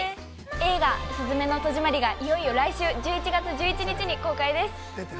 ◆映画「すずめの戸締まり」がいよいよ来週１１月１１日に公開です！